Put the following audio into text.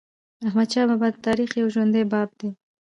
احمدشاه بابا د تاریخ یو ژوندی باب دی.